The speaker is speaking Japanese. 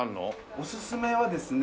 おすすめはですね